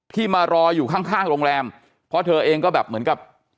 มารออยู่ข้างข้างโรงแรมเพราะเธอเองก็แบบเหมือนกับ